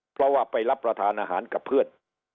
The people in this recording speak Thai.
เพราะว่าไปรับประทานอาหารกับเพื่อน